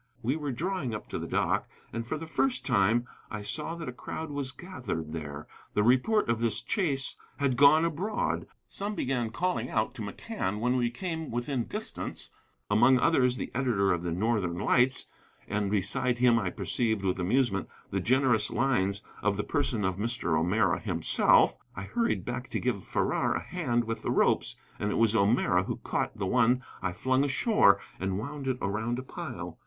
We were drawing up to the dock, and for the first time I saw that a crowd was gathered there. The report of this chase had gone abroad. Some began calling out to McCann when we came within distance, among others the editor of the Northern Lights, and beside him I perceived with amusement the generous lines: of the person of Mr. O'Meara himself. I hurried back to give Farrar a hand with the ropes, and it was O'Meara who caught the one I flung ashore and wound it around a pile.